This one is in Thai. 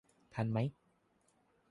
ทันไหม